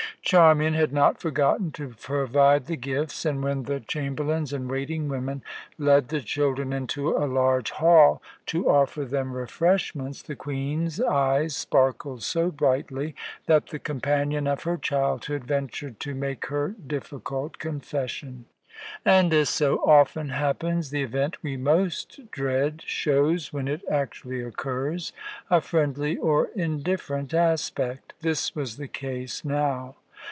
Charmian had not forgotten to provide the gifts; and when the chamberlains and waiting women led the children into a large hall to offer them refreshments, the Queen's eyes sparkled so brightly that the companion of her childhood ventured to make her difficult confession. And, as so often happens, the event we most dread shows, when it actually occurs, a friendly or indifferent aspect; this was the case now.